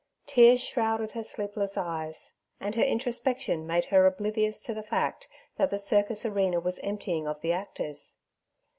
Tears shrouded her sleepless eyes, and her introspection made her oblivious to the fact that the circus arena was emptying of the actors.